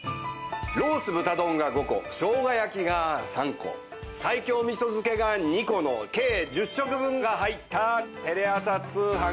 ロース豚丼が５個生姜焼きが３個西京味噌漬けが２個の計１０食分が入ったテレ朝通販限定セット。